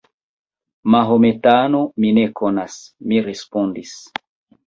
Mahometano, mi ne konas, mi respondis.